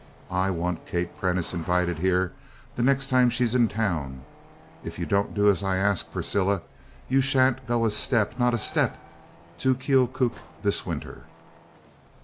"I want Kate Prentice invited here the next time she's in town. If you don't do as I ask, Priscilla, you shan't go a step not a step to Keokuk this winter."